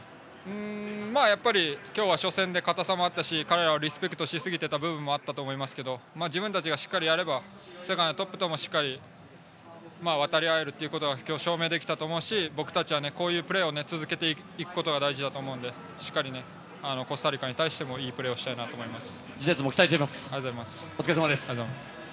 やっぱり今日は初戦で硬さもあったし彼らをリスペクトしすぎていた部分も合ったと思いますが自分たちがしっかりやれば世界のトップとも渡り合えることが証明できたしこういうプレーを続けていくことが大事だと思うのでしっかりコスタリカに対してもいいプレーをしたいと思います。